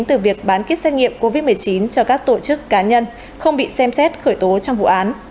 từ việc bán kết xét nghiệm covid một mươi chín cho các tổ chức cá nhân không bị xem xét khởi tố trong vụ án